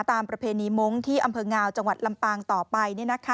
ประเพณีมงค์ที่อำเภองาวจังหวัดลำปางต่อไป